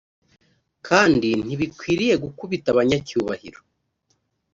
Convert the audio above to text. kandi ntibikwiriye gukubita abanyacyubahiro